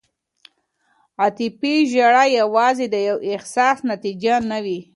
عاطفي ژړا یوازې د یو احساس نتیجه نه وي.